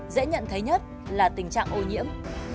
dễ nhận thấy nhất là tình trạng ô nhiễm